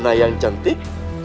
nona yang cantik